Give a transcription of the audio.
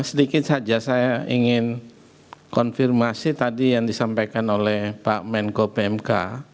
sedikit saja saya ingin konfirmasi tadi yang disampaikan oleh pak menko pmk